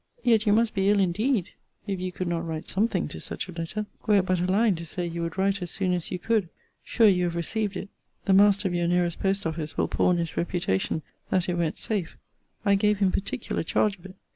Yet you must be ill indeed, if you could not write something to such a letter; were it but a line, to say you would write as soon as you could. Sure you have received it. The master of your nearest post office will pawn his reputation that it went safe: I gave him particular charge of it.